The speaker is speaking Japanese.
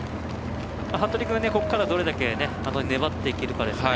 服部君、ここからどこまで粘っていけるかですね。